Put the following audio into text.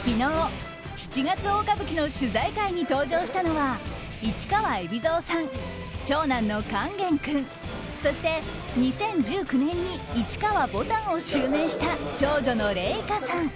昨日、「七月大歌舞伎」の取材会に登場したのは市川海老蔵さん、長男の勸玄君そして２０１９年に市川ぼたんを襲名した長女の麗禾さん。